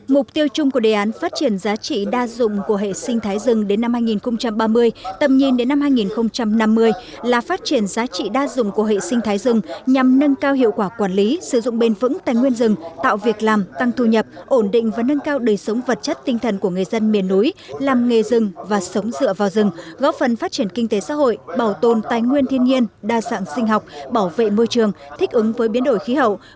mục tiêu chung của đề án phát triển giá trị đa dụng của hệ sinh thái rừng đến năm hai nghìn ba mươi tầm nhìn đến năm hai nghìn năm mươi là phát triển giá trị đa dụng của hệ sinh thái rừng nhằm nâng cao hiệu quả quản lý sử dụng bền vững tài nguyên rừng tạo việc làm tăng thu nhập ổn định và nâng cao đời sống vật chất tinh thần của người dân miền núi làm nghề rừng và sống dựa vào rừng góp phần phát triển kinh tế xã hội bảo tồn tài nguyên thiên nhiên đa sẵn sinh học bảo vệ môi trường thích ứng với biến đổi kh